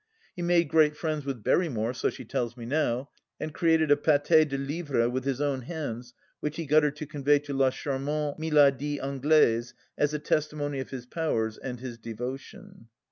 He made great friends with Berrymore, so she tells me now, and created a pSdi de lievre with his own hands which he got her to convey to la charmante Miladi Anglaise as a testimony of his powers and his devotion.